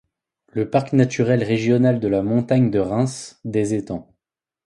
Le parc naturel régional de la Montagne de Reims, des étangs.